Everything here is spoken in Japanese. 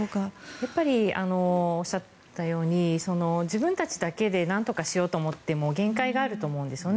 やっぱりおっしゃったように自分たちだけでなんとかしようと思っても限界があると思うんですね。